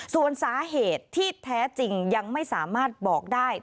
ส่วนสาเหตุที่แท้จริงยังไม่สามารถบอกได้